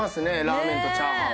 ラーメンとチャーハンは。